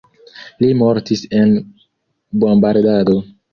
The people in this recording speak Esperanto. Li mortis en bombardado.